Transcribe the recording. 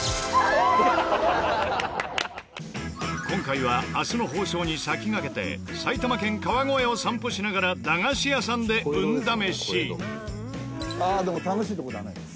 今回は明日の放送に先駆けて埼玉県川越を散歩しながら駄菓子屋さんで運試し。